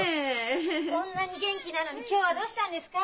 こんなに元気なのに今日はどうしたんですか？